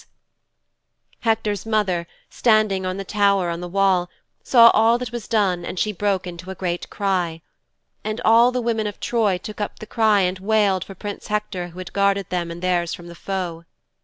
'Hector's mother, standing on the tower on the wall, saw all that was done and she broke into a great cry. And all the women of Troy took up the cry and wailed for Prince Hector who had guarded them and theirs from the foe.